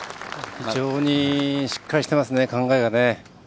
非常にしっかりしていますね、考えがね。